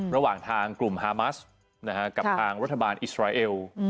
ระหว่างทางกลุ่มฮามัสกับทางรัฐบาลอิสราเอล